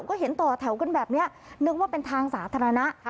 ก็เห็นต่อแถวกันแบบนี้นึกว่าเป็นทางสาธารณะ